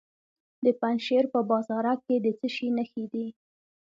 د پنجشیر په بازارک کې د څه شي نښې دي؟